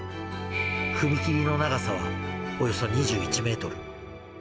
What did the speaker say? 踏切の長さはおよそ２１メートル。